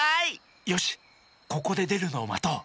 よしここででるのをまとう。